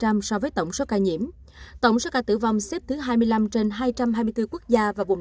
chiếm tỷ lệ một bảy so với tổng số ca nhiễm tổng số ca tử vong xếp thứ hai mươi năm trên hai trăm hai mươi bốn quốc gia và vùng